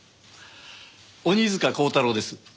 鬼束鋼太郎です。